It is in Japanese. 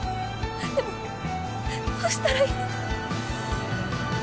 でもどうしたらいいのか。